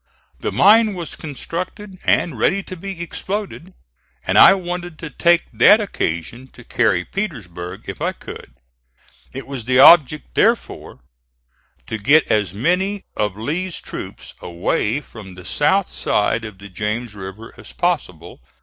The mine was constructed and ready to be exploded, and I wanted to take that occasion to carry Petersburg if I could. It was the object, therefore, to get as many of Lee's troops away from the south side of the James River as possible.